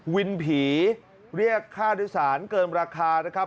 วินผีเรียกค่าโดยสารเกินราคานะครับ